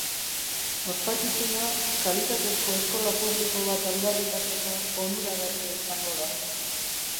Ospakizuna kalitatezko eskola publiko bat aldarrikatzeko onuragarria izango da.